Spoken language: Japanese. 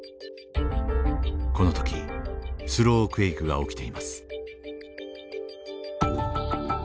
この時スロークエイクが起きています。